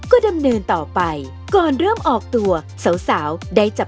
ก็แบบว่าวิวนะ